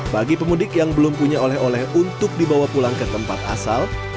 bagi pemudik yang belum punya oleh oleh untuk dibawa pulang ke tempat asal